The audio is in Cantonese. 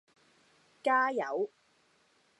加油